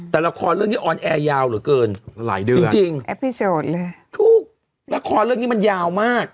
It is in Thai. แต่ละครเรื่องนี้ออนแอร์ยาวเหรอเกินหลายเดือนจริงจริงทุกละครเรื่องนี้มันยาวมาก